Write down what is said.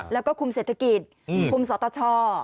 และคุมเศรษฐกิจสตเชาะ